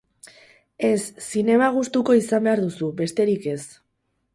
Ez, zinema gustuko izan behar duzu, besterik ez.